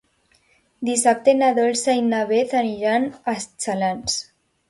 Dissabte na Dolça i na Beth aniran a Xalans.